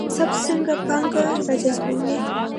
ثبات څنګه پانګه راجذبوي؟